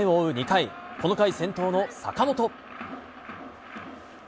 ２回、この回、先頭の坂本。